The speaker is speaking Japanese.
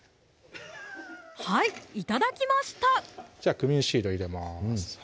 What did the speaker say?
はい頂きましたじゃあクミンシード入れます